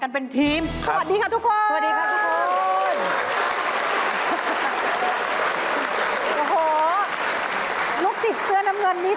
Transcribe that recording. มันเป็นอย่างนี้เลยใช่ไหม